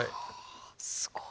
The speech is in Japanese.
すごい！